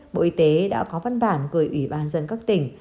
bộ y tế đã có văn bản gửi ủy ban dân các tỉnh